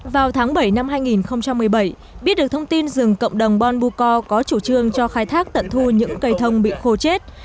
vào tháng bảy năm hai nghìn một mươi bảy biết được thông tin rừng cộng đồng bon bu co có chủ trương cho khai thác tận thu những cây thông bị khô chết